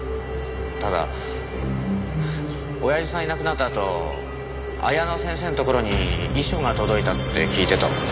ただおやじさんいなくなったあと彩乃先生のところに遺書が届いたって聞いてたもので。